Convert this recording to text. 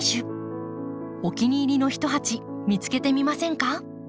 お気に入りの一鉢見つけてみませんか？